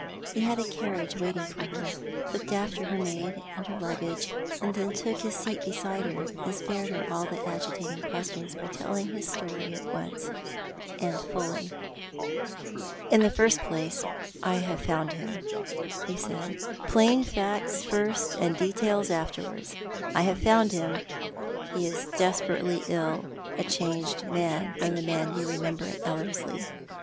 He had a carriage waiting for her, looked after her maid and her luggage, and then took his seat beside her, and spared her all agitating questions by telling his story at once, and fully. " In the first place, I have found him," he said —" plain facts first, and details afterwards. I have found him — he is despe rately ill — a changed man from the man you remember at Ellerslie.